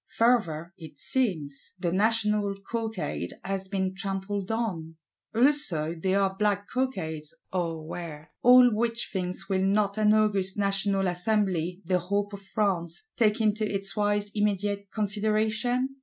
Further, it seems, the National Cockade has been trampled on; also there are Black Cockades, or were. All which things will not an august National Assembly, the hope of France, take into its wise immediate consideration?